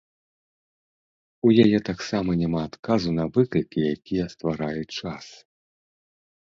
У яе таксама няма адказу на выклікі, якія стварае час.